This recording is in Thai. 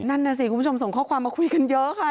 นั่นน่ะสิคุณผู้ชมส่งข้อความมาคุยกันเยอะค่ะ